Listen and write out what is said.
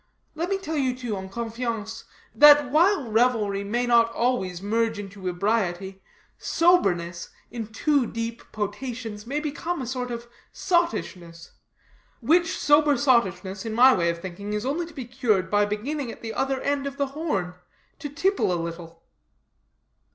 Let me tell you too en confiance that while revelry may not always merge into ebriety, soberness, in too deep potations, may become a sort of sottishness. Which sober sottishness, in my way of thinking, is only to be cured by beginning at the other end of the horn, to tipple a little."